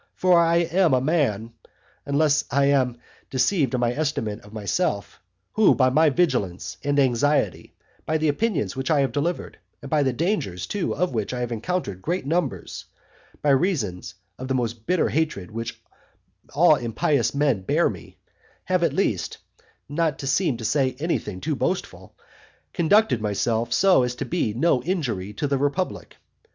For I am a man, unless indeed I am deceived in my estimate of myself, who by my vigilance, and anxiety, by the opinions which I have delivered, and by the dangers too of which I have encountered great numbers, by reason of the most bitter hatred which all impious men bear me, have at least, (not to seem to say anything too boastful,) conducted myself so as to be no injury to the republic.